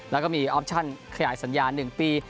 แล้วก็มีออปชั่นขยายสัญญา๑ปี